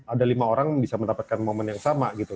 ada lima orang bisa mendapatkan momen yang sama gitu